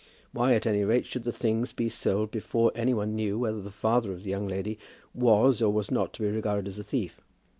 Why, at any rate, should the things be sold before any one knew whether the father of the young lady was or was not to be regarded as a thief?